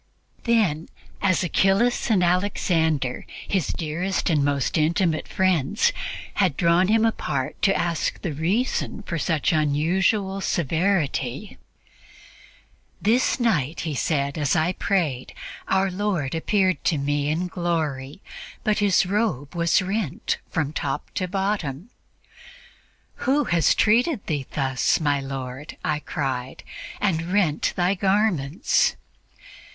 Then, as Achillas and Alexander, his dearest and most intimate friends, had drawn him apart to ask the reason for such unusual severity "This night," he said, "as I prayed, Our Lord appeared to me in glory, but His robe was rent from top to bottom. 'Who has treated Thee thus, my Lord!' I cried, 'and rent Thy garments?'